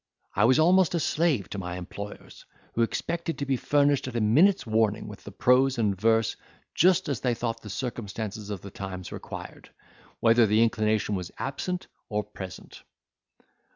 I was almost a slave to my employers, who expected to be furnished at a minute's warning with prose and verse, just as they thought the circumstances of the times required, whether the inclination was absent or present.